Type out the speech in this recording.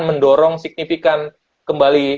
mendorong signifikan kembali